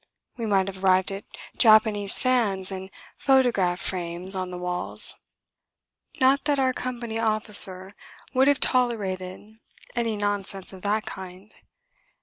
we might have arrived at Japanese fans and photograph frames on the walls. Not that our Company Officer would have tolerated any nonsense of that kind.